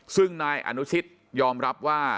ซึ่งนายอนุชิตยอมรับว่า